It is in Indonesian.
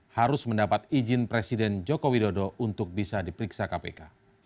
harus mendapat izin presiden joko widodo untuk bisa diperiksa kpk